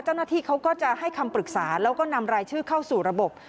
เจ้าหน้าที่เขาก็จะให้คำปรึกษาแล้วก็นำรายชื่อเข้าสู่ระบบ